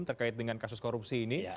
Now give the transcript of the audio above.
terkait dengan kasus korupsi ini